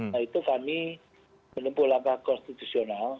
nah itu kami menempuh langkah konstitusional